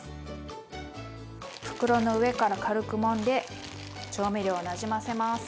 袋の上から軽くもんで調味料をなじませます。